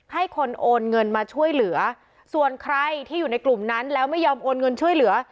ให้คนโอนเงินมาช่วยเหลือส่วนใครที่อยู่ในกลุ่มนั้นแล้วไม่ยอมโอนเงินช่วยเหลือ